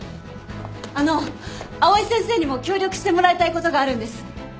あの藍井先生にも協力してもらいたいことがあるんです。